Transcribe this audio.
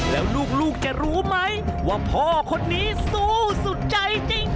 แล้วลูกจะรู้ไหมว่าพ่อคนนี้สู้สุดใจจริง